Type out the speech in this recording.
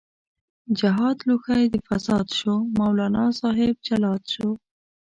جهاد لوښی د فساد شو، مولانا صاحب جلاد شو